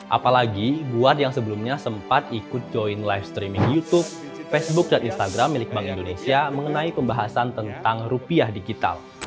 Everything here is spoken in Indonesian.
apalagi buat yang sebelumnya sempat ikut join live streaming youtube facebook dan instagram milik bank indonesia mengenai pembahasan tentang rupiah digital